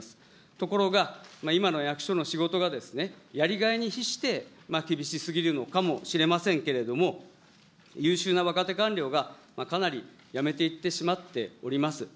ところが、今の役所の仕事が、やりがいに比して、厳しすぎるのかもしれませんけれども、優秀な若手官僚が、かなり辞めていってしまっております。